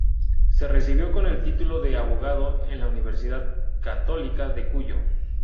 Se recibió con el título de abogado en la Universidad Católica de Cuyo.